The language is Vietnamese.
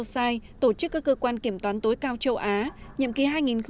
sai tổ chức các cơ quan kiểm toán tối cao châu á nhiệm kỳ hai nghìn một mươi tám hai nghìn hai mươi một